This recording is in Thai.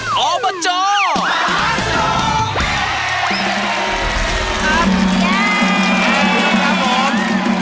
ขอบคุณครับผม